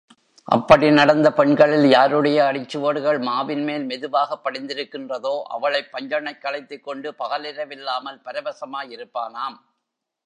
அப்படி நடந்த பெண்களில் யாருடைய அடிச்சுவடுகள் மாவின் மேல் மெதுவாக படிந்திருக்கின்றதோ அவளைப் பஞ்சணைக்கழைத்துக்கொண்டு பகலிரவில்லாமல் பரவசமாகயிருப்பானாம்.